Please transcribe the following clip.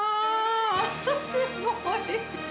すごーい。